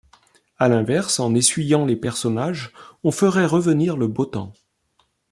À l'inverse, en essuyant les personnages, on ferait revenir le beau temps.